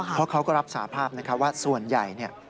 เพราะเขาก็รับสาธารณ์ภาพนะคะว่าส่วนใหญ่